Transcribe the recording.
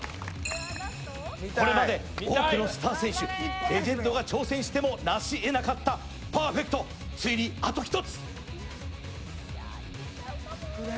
これまで数々のスター選手、レジェンドが挑戦してもなしえなかったパーフェクトついにあと１つ。